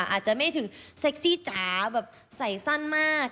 อาจจะไม่ถึงเซ็กซี่จ๋าแบบใส่สั้นมาก